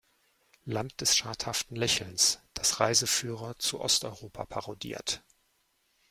Land des schadhaften Lächelns", das Reiseführer zu Osteuropa parodiert.